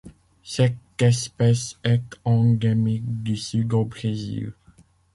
Cette espèce est endémique du Sud au Brésil.